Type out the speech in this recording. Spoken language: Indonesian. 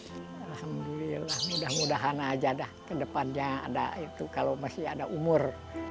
alhamdulillah mudah mudahan aja dah ke depannya ada itu kalau masih ada umur